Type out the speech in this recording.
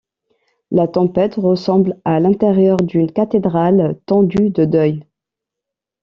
La tempête ressemble à l’intérieur d’une cathédrale tendue de deuil.